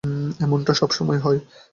এমনটা সবসময়ই হয়।